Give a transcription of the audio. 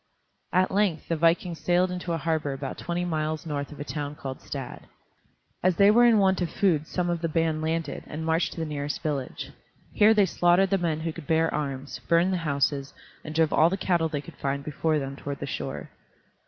At length the vikings sailed into a harbor about twenty miles north of a town called Stad. As they were in want of food some of the band landed, and marched to the nearest village. Here they slaughtered the men who could bear arms, burned the houses, and drove all the cattle they could find before them toward the shore.